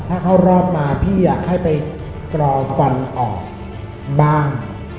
ถ้าเข้ารอบมาพี่อยากให้ไปกรอฟันออกบ้าง